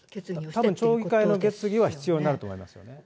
たぶん町議会の決議は必要になると思いますよね。